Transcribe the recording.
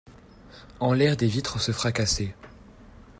En l'air des vitres se fracassaient.